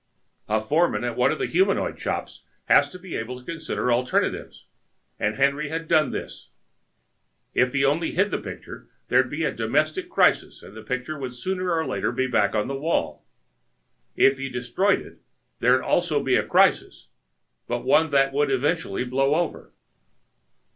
A foreman at one of the humandroid shops has to be able to consider alternatives and Henry had done this. If he only hid the picture there'd be a domestic crisis and the picture would sooner or later be back on the wall; if he destroyed it there'd also be a crisis, but one that would eventually blow over.